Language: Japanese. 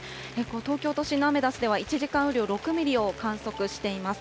東京都心のアメダスでは、１時間雨量６ミリを観測しています。